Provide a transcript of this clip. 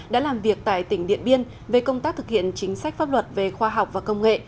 đã làm việc tại tỉnh điện biên về công tác thực hiện chính sách pháp luật về khoa học và công nghệ